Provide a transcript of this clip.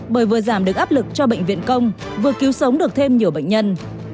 bởi vừa giảm được áp lực cho bệnh viện công vừa cứu sống được thêm nhiều bệnh nhân